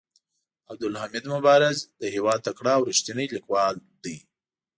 عبدالحمید مبارز د هيواد تکړه او ريښتيني ليکوال دي.